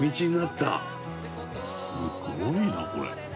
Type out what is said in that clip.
すごいなこれ。